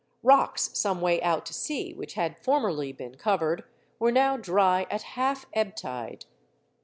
Rocks some way out to sea which had formerly been covered, were now dry at half ebb tide.